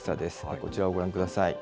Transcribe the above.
こちらをご覧ください。